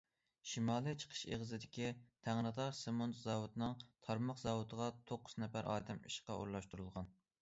شىمالىي چىقىش ئېغىزىدىكى تەڭرىتاغ سېمونت زاۋۇتىنىڭ تارماق زاۋۇتىغا توققۇز نەپەر ئادەم ئىشقا ئورۇنلاشتۇرۇلغان.